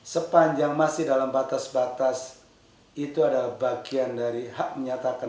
sepanjang masih dalam batas batas itu adalah bagian dari hak menyatakan